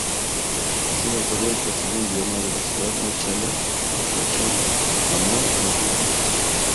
Es el autor del pasillo emblema de la ciudad Machala Machala, amor y esperanza.